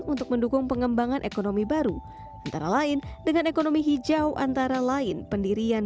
untuk mendukung pengembangan ekonomi baru antara lain dengan ekonomi hijau antara lain pendirian